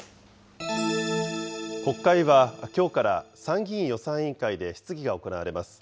国会はきょうから参議院予算委員会で質疑が行われます。